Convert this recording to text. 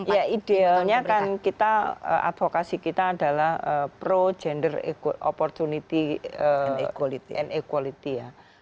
ya idealnya kan kita advokasi kita adalah pro gender opportunity and equality ya